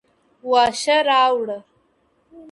واښه راوړه،